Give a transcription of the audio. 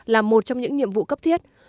là một trong những nhiệm vụ cấp thiết